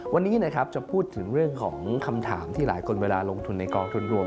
วันนี้นะครับจะพูดถึงเรื่องของคำถามที่หลายคนเวลาลงทุนในกองทุนรวม